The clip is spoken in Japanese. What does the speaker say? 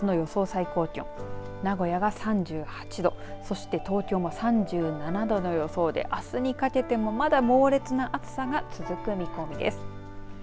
最高気温名古屋が３８度そして、東京も３７度の予想であすにかけてもまだ猛烈な暑さが続く見込みです。